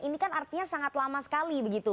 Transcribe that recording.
ini kan artinya sangat lama sekali begitu